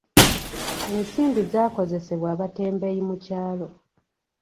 Ensimbi zaakozesebwa abatembeeyi mu kyalo.